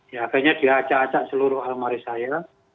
ya akhirnya dia acak acak seluruh almari saya